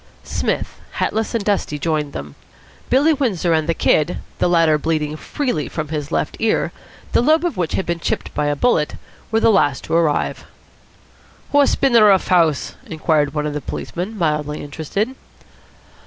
Psmith, hatless and dusty, joined them. Billy Windsor and the Kid, the latter bleeding freely from his left ear, the lobe of which had been chipped by a bullet, were the last to arrive. "What's bin the rough house?" inquired one of the policemen, mildly interested.